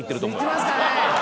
行ってますかね。